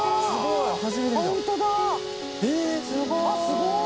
すごい。